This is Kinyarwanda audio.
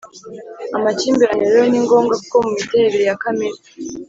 Amakimbirane rero ni ngombwa kuko mu miterere ya kamere